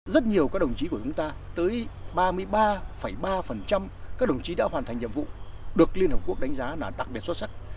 rất nhiều các đồng chí của chúng ta tới ba mươi ba ba các đồng chí đã hoàn thành nhiệm vụ được liên hợp quốc đánh giá là đặc biệt xuất sắc